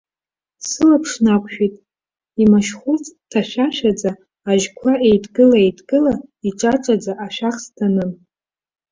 Сылаԥш нақәшәеит, имашьхәылҵ ҭашәашәаӡа, ажьқәа еидкыла-еидкыла, иҿаҿаӡа ашәахсҭа анын.